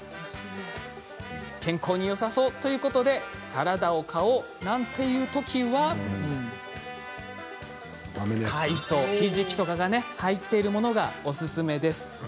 健康に良さそうということでサラダを買おうなんていう時は海藻ひじきとかがね入っているものがおすすめです。